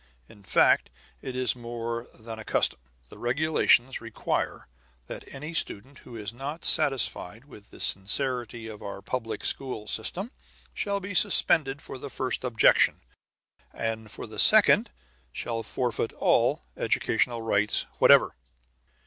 In fact, it is more than a custom; the regulations require that any student who is not satisfied with the sincerity of our public school system shall be suspended for the first objection, and for the second shall forfeit all educational rights whatever.